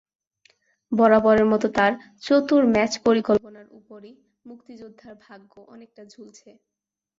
বরাবরের মতো তাঁর চতুর ম্যাচ পরিকল্পনার ওপরই মুক্তিযোদ্ধার ভাগ্য অনেকটা ঝুলছে।